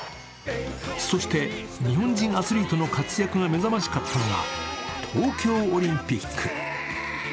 そして日本人アスリートの活躍が目覚ましかったのが東京オリンピック。